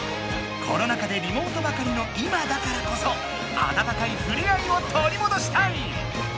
コロナ禍でリモートばかりの今だからこそあたたかいふれ合いをとりもどしたい！